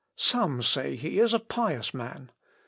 Some say he is a pious man